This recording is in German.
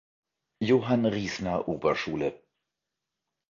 Johann Riesner–Oberschule“.